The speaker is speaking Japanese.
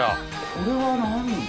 これは何？